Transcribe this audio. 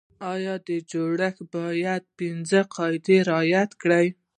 دا جوړښت باید دا پنځه قاعدې رعایت کړي.